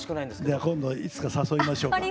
じゃあ今度いつか誘いましょうか。